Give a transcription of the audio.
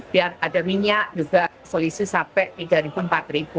biar ada minyak juga selisih sampai rp tiga empat